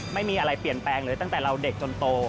ไม่มีอะไรเปลี่ยนแปลงเลยตั้งแต่เราเด็กจนโต